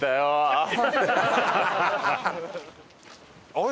あれ？